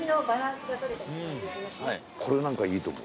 これなんかいいと思う。